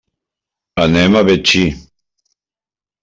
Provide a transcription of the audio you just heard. Anem a Betxí.